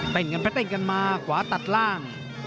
กันไปเต้นกันมาขวาตัดล่าง